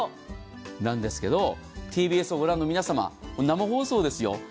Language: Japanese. なんですけど、ＴＢＳを御覧の皆様生放送ですよ。